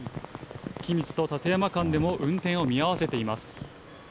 君津と高山間でも運転を見合わせています。